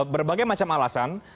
untuk berbagai macam alasan